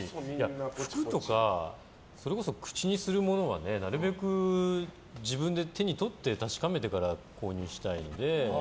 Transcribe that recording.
服とか、それこそ口にするものはなるべく自分で手に取って確かめてから購入したいので。